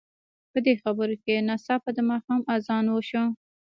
په دې خبرو کې ناڅاپه د ماښام اذان وشو.